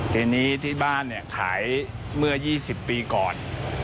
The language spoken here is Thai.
ทีนี้ที่บ้านเนี่ยขายเมื่อ๒๐ปีก่อน